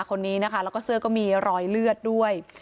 คนนี้นะคะแล้วก็เสื้อก็มีรอยเลือดด้วย